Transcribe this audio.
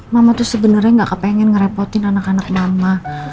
mama tuh sebenarnya gak kepengen ngerepotin anak anak mama